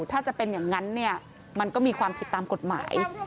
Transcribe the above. ถ้าจะเป็นอย่างนั้นเนี่ยมันก็มีความผิดตามกฎหมาย